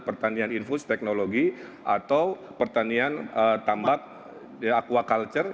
pertanian infus teknologi atau pertanian tambak aquaculture